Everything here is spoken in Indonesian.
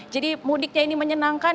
jadi mudiknya ini menyenangkan